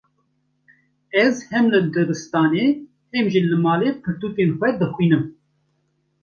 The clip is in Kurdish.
Ez hem li dibistanê, hem jî li malê pirtûkên xwe dixwînim.